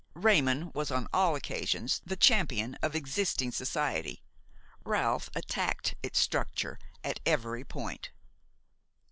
Raymon was on all occasions the champion of existing society, Ralph attacked its structure at every point.